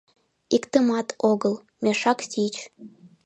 Иктымат огыл — мешак тич.